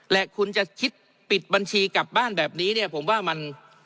และคุณจะคิดปิดบัญชีกลับบ้านแบบนี้เนี่ยผมว่ามัน